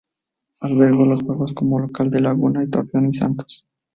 Albergó los juegos como local del Laguna, Torreón y Santos.